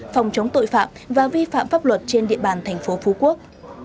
phòng chống tội phạm và vi phạm pháp luật trên địa bàn thành phố phú quốc